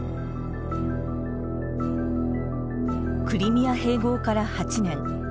クリミア併合から８年。